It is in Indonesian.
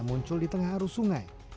muncul di tengah arus sungai